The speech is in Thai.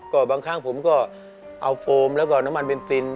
ก็บางครั้งผมก็เอาโฟมแล้วก็น้ำมันเบนซิน